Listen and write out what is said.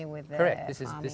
sebenarnya mereka terlihat cantik